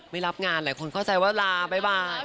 ไม่รับงานหลายคนเข้าใจว่าลาบ๊ายบาย